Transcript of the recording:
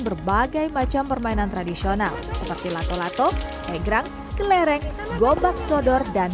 berbagai macam permainan tradisional seperti lato lato egrang kelereng gobak sodor dan